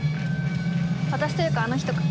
私というかあの人か。